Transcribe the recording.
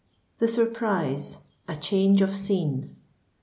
THE SURPRISE.—A CHANGE OF SCENE.